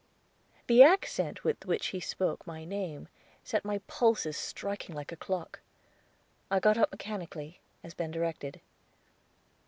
The accent with which he spoke my name set my pulses striking like a clock. I got up mechanically, as Ben directed.